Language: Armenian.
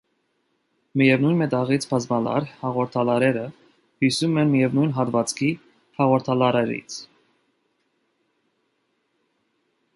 Միևնույն մետաղից բազմալար հաղորդալարերը հյուսում են միևնույն հատվածքի հաղորդալարերից։